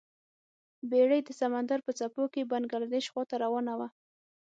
بیړۍ د سمندر په څپو کې بنګلادیش خواته روانه وه.